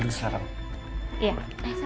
iya ayo salam ya yuk yuk